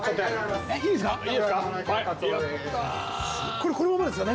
これこのままですか？